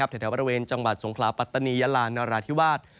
แถวบริเวณจังหวัดสงขลาปัตตานียาลานราธิวาส